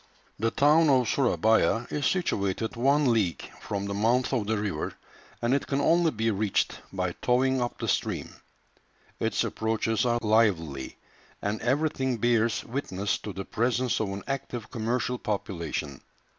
The town of Surabaya is situated one league from the mouth of the river, and it can only be reached by towing up the stream. Its approaches are lively, and everything bears witness to the presence of an active commercial population.